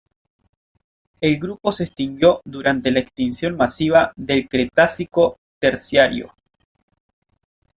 El grupo se extinguió durante la extinción masiva del Cretácico-Terciario.